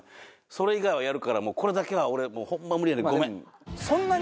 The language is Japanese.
それ以外はやるからもうこれだけは俺ホンマ無理やねんごめん」。